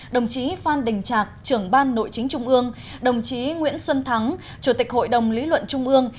đồng chí phan đình trạc trưởng ban nội chính trung ương đồng chí nguyễn xuân thắng chủ tịch hội đồng lý luận trung ương